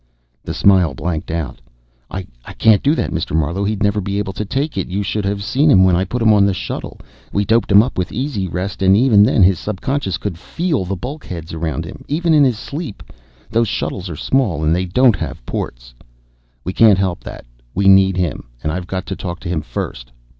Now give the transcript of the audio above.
The smile blanked out. "I can't do that, Mr. Marlowe! He'd never be able to take it. You should have seen him when I put him on the shuttle. We doped him up with EasyRest, and even then his subconscious could feel the bulkheads around him, even in his sleep. Those shuttles are small, and they don't have ports." "We can't help that. We need him, and I've got to talk to him first.